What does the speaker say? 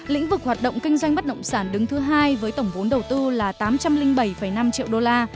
lĩnh vực hoạt động kinh doanh bất động sản đứng thứ hai với tổng vốn đầu tư là tám trăm linh bảy năm triệu đô la